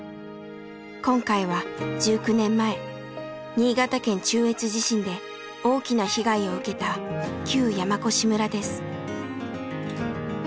今回は１９年前新潟県中越地震で大きな被害を受けた旧山古志村です。